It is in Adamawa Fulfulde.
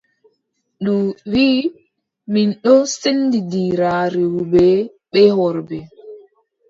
Ndu wii: mi ɗon sendindira rewɓe bee worɓe.